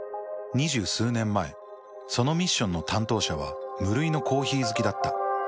２０数年前そのミッションの担当者は無類のコーヒー好きだった。